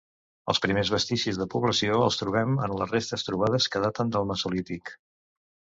Els primers vestigis de població els trobem en les restes trobades que daten del mesolític.